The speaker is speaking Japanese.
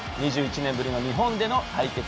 ２１年ぶりの日本での対決